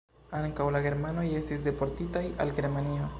Ankaŭ la germanoj estis deportitaj al Germanio.